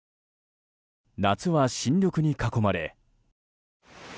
夏は新緑に囲まれ。